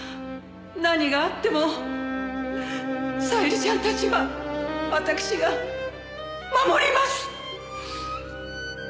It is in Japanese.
何があっても小百合ちゃんたちはわたくしが守ります。